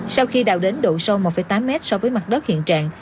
sau khi đào đến độ sâu một tám mét so với mặt đất hiện trạng